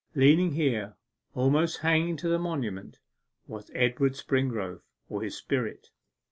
Leaning here almost hanging to the monument was Edward Springrove, or his spirit.